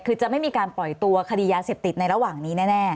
คือจะไม่มีการปล่อยตัวคดียาเสพติดในระหว่างนี้แน่